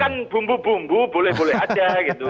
kan bumbu bumbu boleh boleh aja gitu